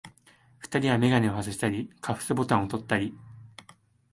二人はめがねをはずしたり、カフスボタンをとったり、